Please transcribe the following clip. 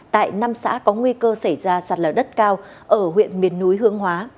tại năm xã có nguy cơ xảy ra sạt lở đất cao ở huyện miền núi hướng hóa